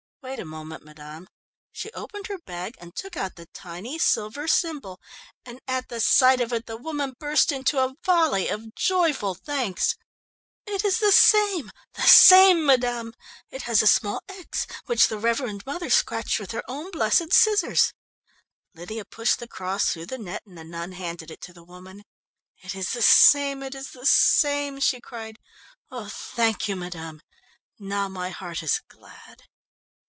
"Wait a moment, madame." She opened her bag and took out the tiny silver symbol, and at the sight of it the woman burst into a volley of joyful thanks. "It is the same, the same, madame! It has a small 'X' which the Reverend Mother scratched with her own blessed scissors!" Lydia pushed the cross through the net and the nun handed it to the woman. "It is the same, it is the same!" she cried. "Oh, thank you, madame! Now my heart is glad...."